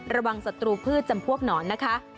ศัตรูพืชจำพวกหนอนนะคะ